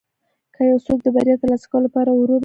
که یو څوک د بریا ترلاسه کولو لپاره ورو مخکې ځي.